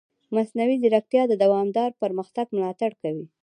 مصنوعي ځیرکتیا د دوامدار پرمختګ ملاتړ کوي.